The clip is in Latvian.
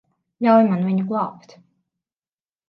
Ļauj man viņu glābt.